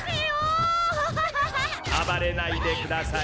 あばれないでください！